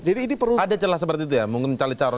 ada celah seperti itu ya mungkin cari calon